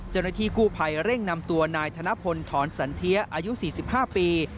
เจ้าหน้าที่กู้ภัยเร่งนำตัวนายธนพลถอนสันเทียอายุ๔๕ปี